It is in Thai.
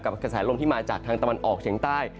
กระแสลมที่มาจากทางตะวันออกเฉียงใต้